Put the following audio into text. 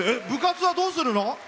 部活はどうするの？